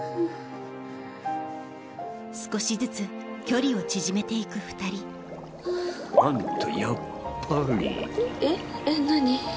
少しずつ距離を縮めて行く２人あんたやっぱりえっえっ何？